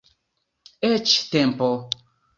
Eĉ tempo.